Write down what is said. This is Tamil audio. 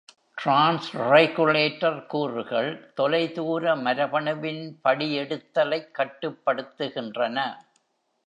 டிரான்ஸ்-ரெகுலேட்டரி கூறுகள் தொலைதூர மரபணுவின் படியெடுத்தலைக் கட்டுப்படுத்துகின்றன.